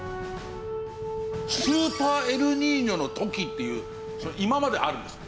スーパーエルニーニョの時っていう今まであるんですか？